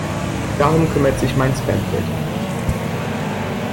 Darum kümmert sich mein Spamfilter.